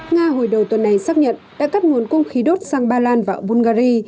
nga hồi đầu tuần này xác nhận đã cắt nguồn cung khí đốt sang ba lan và bulgari